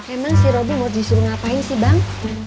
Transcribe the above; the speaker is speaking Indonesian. emang si roby mau disuruh ngapain sih bang